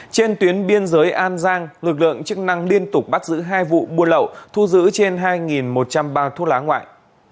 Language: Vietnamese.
trên tuyến biên giới an giang lực lượng chức năng liên tục bắt giữ hai vụ buôn lậu thu giữ trên hai một trăm linh bao thuốc lá ngoại